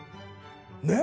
ねっ？